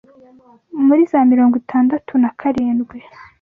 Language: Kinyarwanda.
muri za mirongo itangatu na karindwi